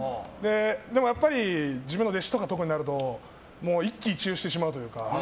でも特に自分の弟子とかになると一喜一憂してしまうというか。